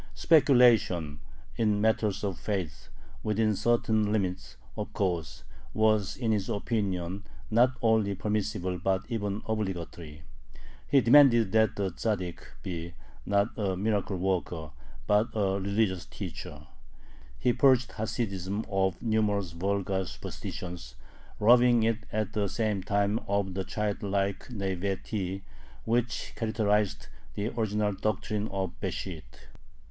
"Speculation" in matters of faith within certain limits, of course was, in his opinion, not only permissible but even obligatory. He demanded that the Tzaddik be, not a miracle worker, but a religious teacher. He purged Hasidism of numerous vulgar superstitions, robbing it at the same time of the childlike naïveté which characterized the original doctrine of Besht.